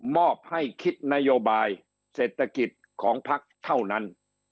อบให้คิดนโยบายเศรษฐกิจของพักเท่านั้น